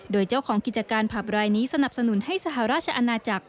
โดยเจ้าของกิจการผับรายนี้สนับสนุนให้สหราชอาณาจักร